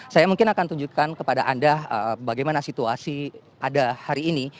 saya mungkin akan tunjukkan kepada anda bagaimana situasi pada hari ini